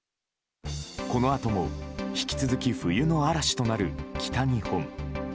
このあとも引き続き冬の嵐となる北日本。